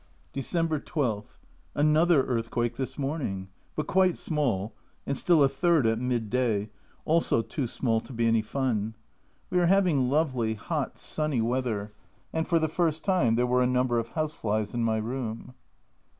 December 12. Another earthquake this morning ! but quite small, and still a third at midday, also too small to be any fun. We are having lovely, hot, sunny weather, and for the first time there were a number of house flies in my room.